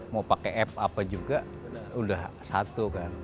mau pakai app apa juga udah satu kan